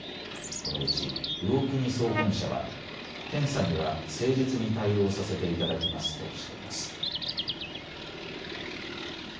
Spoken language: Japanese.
このうち魚国総本社は検査には誠実に対応させていただきますとしています。